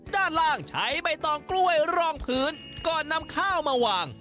ด้านล่างใช้ใบตองกล้วยรองพื้นก่อนนำข้าวมาวาง